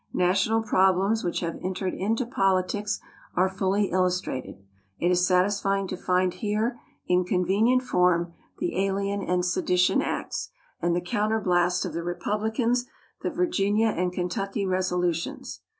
National problems which have entered into politics are fully illustrated. It is satisfying to find here in convenient form the Alien and Sedition Acts, and the counter blast of the Republicans, the Virginia and Kentucky Resolutions.